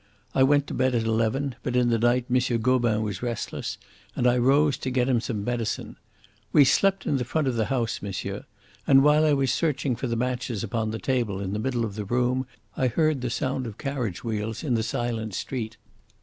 I went to bed at eleven, but in the night M. Gobin was restless, and I rose to get him some medicine. We slept in the front of the house, monsieur, and while I was searching for the matches upon the table in the middle of the room I heard the sound of carriage wheels in the silent street.